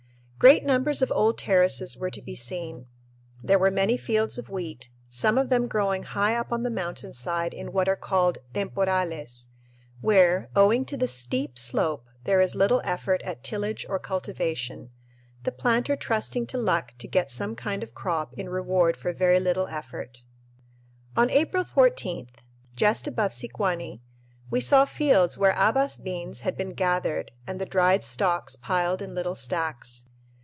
Great numbers of old terraces were to be seen. There were many fields of wheat, some of them growing high up on the mountain side in what are called temporales, where, owing to the steep slope, there is little effort at tillage or cultivation, the planter trusting to luck to get some kind of a crop in reward for very little effort. On April 14th, just above Sicuani, we saw fields where habas beans had been gathered and the dried stalks piled in little stacks.